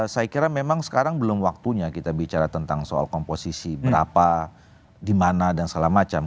saya kira memang sekarang belum waktunya kita bicara tentang soal komposisi berapa di mana dan segala macam